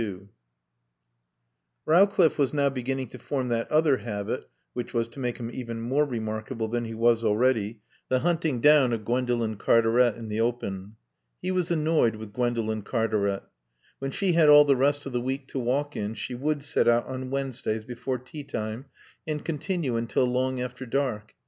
XXII Rowcliffe was now beginning to form that other habit (which was to make him even more remarkable than he was already), the hunting down of Gwendolen Cartaret in the open. He was annoyed with Gwendolen Cartaret. When she had all the rest of the week to walk in she would set out on Wednesdays before teatime and continue until long after dark.